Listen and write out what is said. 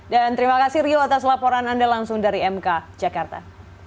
dan terima kasih rio atas laporan anda langsung dari mk jakarta